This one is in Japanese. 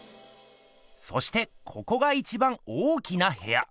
そしてここがいちばん大きなへや。